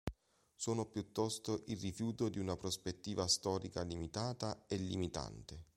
Sono piuttosto il rifiuto di una prospettiva storica limitata e limitante.